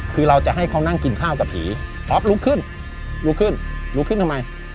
คือเราจะให้เขานั่งกินข้าวกับผีป๊อปลุกขึ้นลุกขึ้นลุกขึ้นทำไม